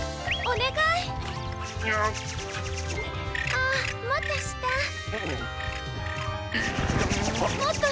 あっ！